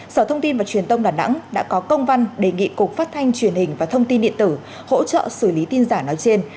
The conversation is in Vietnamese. sở thông tin và truyền thông đà nẵng đã có công văn đề nghị cục phát thanh truyền hình và thông tin điện tử hỗ trợ xử lý tin giả nói trên